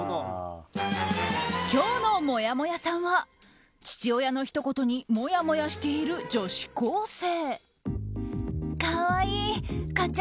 今日のもやもやさんは父親のひと言にもやもやしている女子高生。